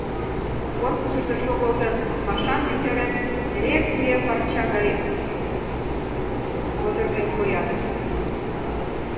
Корпусышто шогылтын, пашам виктарен, эре куэ парча гай лыдыргын коят.